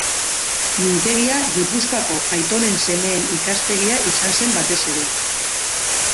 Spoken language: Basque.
Mintegia Gipuzkoako aitonen-semeen ikastegia izan zen batez ere.